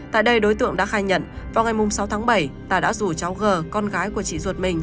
tại đây đối tượng đã khai nhận vào ngày sáu tháng bảy tài đã rủ cháu g con gái của chị ruột mình